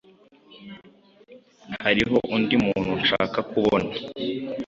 Hariho undi muntu nshaka kubona.